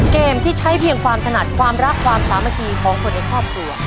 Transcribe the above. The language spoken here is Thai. เกมที่ใช้เพียงความถนัดความรักความสามัคคีของคนในครอบครัว